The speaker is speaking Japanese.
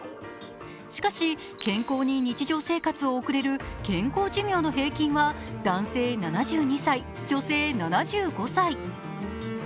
しかし、健康に日常生活を送れる健康寿命の平均は、男性７２歳、女性７５歳。